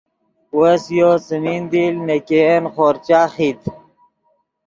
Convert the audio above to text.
وس یو څیمین دیل نے ګین خورچہ خیت